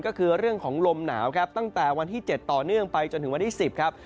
ก็คือเรื่องของลมหนาวครับตั้งแต่วันที่๗ต่อเนื่องไปจนถึงวันที่๑๐ครับ